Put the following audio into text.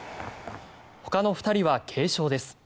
ほかの２人は軽傷です。